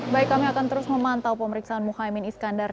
baik kami akan terus memantau pemeriksaanmu haimin iskandar